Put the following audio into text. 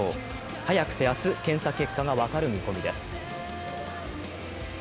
早くて明日、検査結果が分かる見込みです。